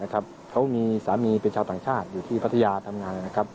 เขามีสามีเป็นชาวต่างชาติอยู่ที่พัทยาทำงานนะครับ